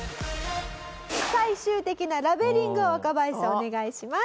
最終的なラベリングを若林さんお願いします。